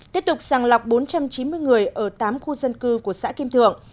tiếp tục sàng lọc bốn trăm chín mươi người ở tám khu dân cư của xã kim thượng